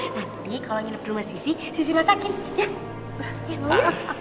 nanti kalau nginep di rumah sisi sisi masakin ya